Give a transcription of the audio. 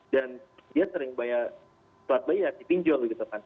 dan dia sering bayar buat bayar di pinjol gitu kan